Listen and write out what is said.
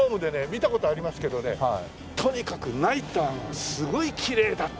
見た事はありますけどねとにかくナイターがすごいきれいだっていうのが。